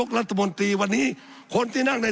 สับขาหลอกกันไปสับขาหลอกกันไป